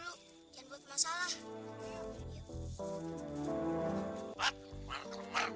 jangan buat masalah